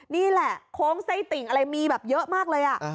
นี่แหละโค้งไส้ติ่งอะไรมีแบบเยอะมากเลย